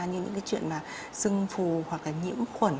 như những cái chuyện mà sưng phù hoặc là nhiễm khuẩn